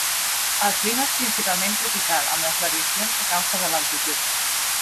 El clima és principalment tropical, amb les variacions a causa de l'altitud.